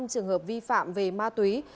năm trường hợp vi phạm về ma túy